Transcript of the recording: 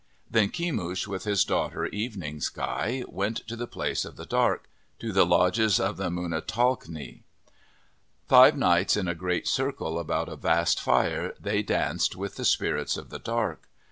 Then Kemush, with his daughter, Evening Sky, went to the Place of the Dark, to the lodges of the Munatalkni. Five nights in a great circle about a vast fire they danced with the spirits of the dark.